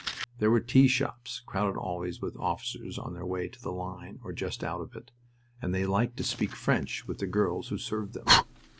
There were tea shops, crowded always with officers on their way to the line or just out of it, and they liked to speak French with the girls who served them.